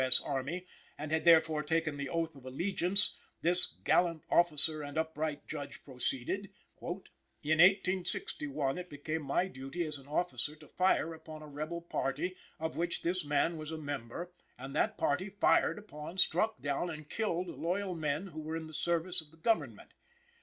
S. Army, and had therefore taken the oath of allegiance, this gallant officer and upright judge proceeded: "In 1861, it became my duty as an officer to fire upon a rebel party, of which this man was a member, and that party fired upon, struck down, and killed loyal men that were in the service of the Government.